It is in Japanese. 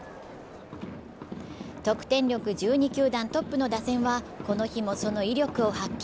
得点力１２球団トップの打線は、この日もその威力を発揮。